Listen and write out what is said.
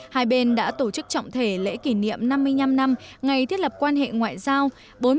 hai bên đã tổ chức trọng thể lễ kỷ niệm năm mươi năm năm ngày thiết lập quan hệ ngoại giao